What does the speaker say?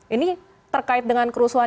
ini terkait dengan kerusuhan